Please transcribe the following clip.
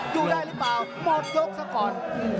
ดูได้หรือเปล่าหมดยกซะก่อน